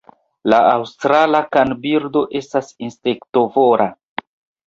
La Aŭstrala kanbirdo estas insektovora.